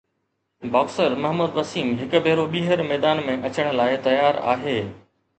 boxer Muhammad Waseem هڪ ڀيرو ٻيهر ميدان ۾ اچڻ لاءِ تيار آهي